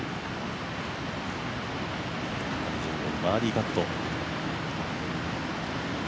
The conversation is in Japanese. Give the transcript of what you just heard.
バーディーパット。